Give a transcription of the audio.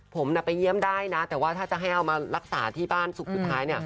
ผมไปเยี่ยมได้นะแต่ว่าถ้าจะให้เอามารักษาที่บ้านสุขสุดท้าย